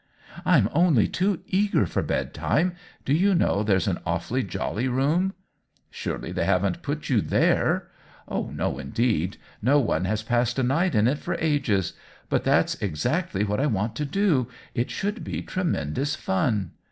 "I'm only too eager for bedtime. Do you know there's an awfully jolly room ?"" Surely they haven't put you there ?"" No, indeed ; no one has passed a night in it for ages. But that's exactly what I want to do — it would be tremendous fun."